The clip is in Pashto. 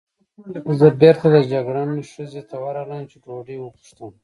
زه بېرته د جګړن خزې ته ورغلم، چې ډوډۍ وپوښتم.